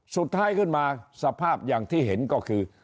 สุดท้ายขึ้นมาสภาพอย่างที่เห็นก็คือ